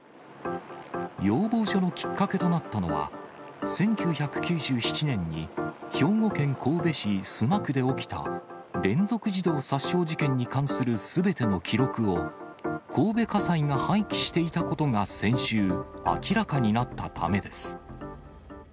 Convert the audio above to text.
要望書のきっかけとなったのは、１９９７年に、兵庫県神戸市須磨区で起きた連続児童殺傷事件に関するすべての記録を、神戸家裁が廃棄していたことが先週、明らかになったためです。